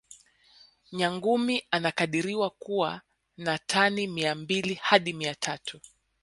nyangumi anakadiriwa kuwa na tani mia mbili hadi mia tatu